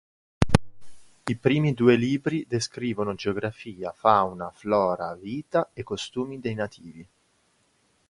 I primi due libri descrivono geografia, fauna, flora, vita e costumi dei nativi.